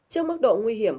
trước mức độ nguy hiểm